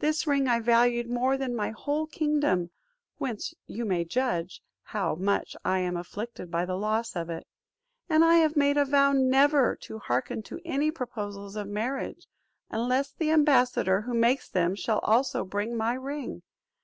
This ring I valued more than my whole kingdom; whence you may judge how much I am afflicted by the loss of it. And I have made a vow never to hearken to any proposals of marriage, unless the ambassador who makes them shall also bring my ring.